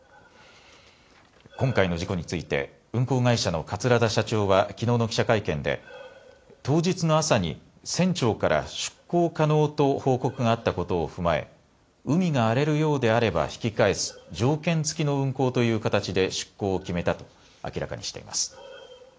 今回の事故について運航会社の桂田社長はきのうの記者会見で当日の朝に船長から出航可能と報告があったことを踏まえ海が荒れるようであれば引き返す条件付きの運航という形で出航を決めたと明らかにしています。